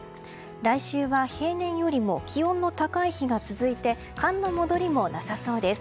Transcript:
来週は平年よりも気温の高い日が続いて寒の戻りもなさそうです。